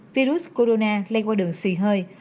virus corona lây qua đường xì hơi